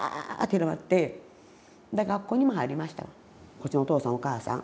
こっちのお父さんお母さん